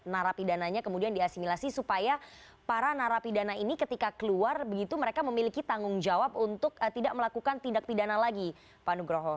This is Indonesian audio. narapidananya kemudian diasimilasi supaya para narapidana ini ketika keluar begitu mereka memiliki tanggung jawab untuk tidak melakukan tindak pidana lagi pak nugroho